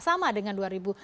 sama dengan dua ribu enam belas